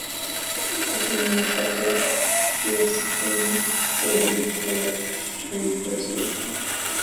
Also known as delta geosyncline; foredeep; or transverse basin.